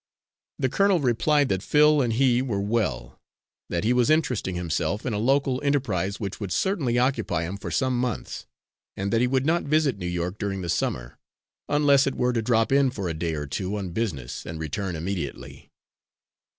The colonel replied that Phil and he were well, that he was interesting himself in a local enterprise which would certainly occupy him for some months, and that he would not visit New York during the summer, unless it were to drop in for a day or two on business and return immediately.